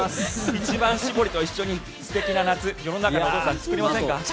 一番搾りと一緒に素敵な夏世の中のお父さん作りませんか？